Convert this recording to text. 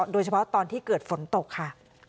โดยเฉพาะตอนที่เกิดฝนตกค่ะ